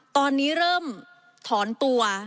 ตอนนี้เริ่มถอนตัว